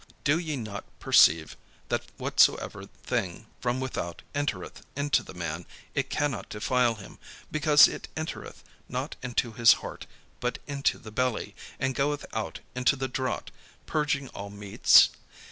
Do ye not perceive, that whatsoever thing from without entereth into the man, it cannot defile him; because it entereth not into his heart, but into the belly, and goeth out into the draught, purging all meats?"